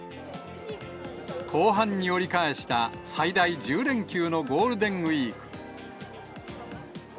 後半に折り返した最大１０連休のゴールデンウィーク。